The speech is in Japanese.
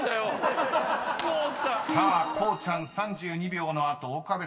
［さあこうちゃん３２秒の後岡部さん